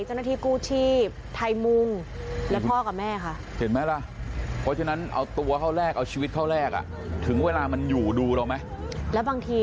คนที่มาร้องไห้เนี่ยคือพ่อคือแม่นะฮะอืม